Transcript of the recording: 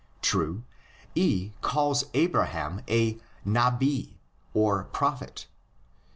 True, E calls Abraham a nabi (prophet), xx.